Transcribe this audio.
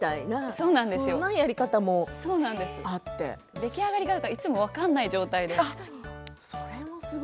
出来上がりがいつも分からない状態です。